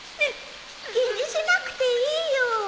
気にしなくていいよ。